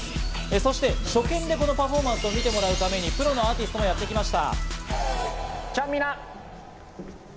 そして初見でこのパフォーマンスを見てもらうためにプロのアーティストもやってきました。